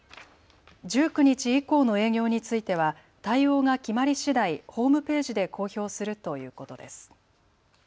１９日以降の営業については対応が決まりしだいホームページで公表するということです。